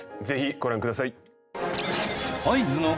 ぜひご覧ください。